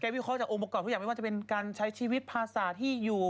วิเคราะห์จากองค์ประกอบทุกอย่างไม่ว่าจะเป็นการใช้ชีวิตภาษาที่อยู่